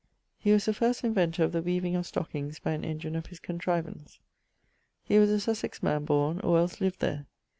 He was the first inventor of the weaving of stockings by an engine of his contrivance. He was a Sussex man borne, or els lived there.